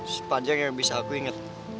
sepanjang yang bisa aku ingat